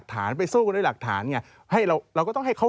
ต้องไปยื่นทั้งสำนวนเลยเหรอคะ